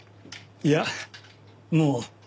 いやもう。